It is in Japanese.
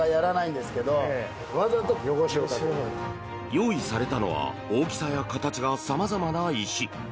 用意されたのは大きさや形がさまざまな石。